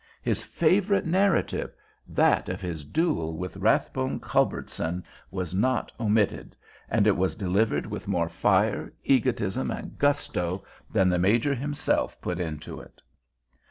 His favorite narrative—that of his duel with Rathbone Culbertson—was not omitted, and it was delivered with more fire, egotism, and gusto than the Major himself put into it.